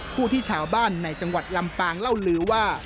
ผู้ที่ชาวบ้านในจังหวัดลำปางเล่าลือว่า